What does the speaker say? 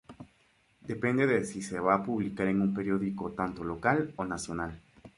Depende de sí se va a publicar en un periódico tanto local o nacional.